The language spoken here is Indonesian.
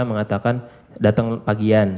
mengatakan datang pagian